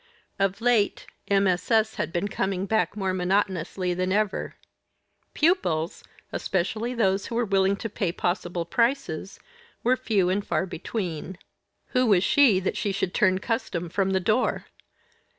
Of late MSS. had been coming back more monotonously than ever. Pupils especially those who were willing to pay possible prices were few and far between. Who was she, that she should turn custom from the door?